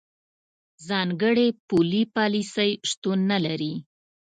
ځانګړې پولي پالیسۍ شتون نه لري.